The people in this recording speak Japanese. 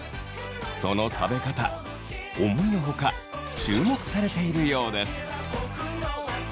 その食べ方思いの外注目されているようです。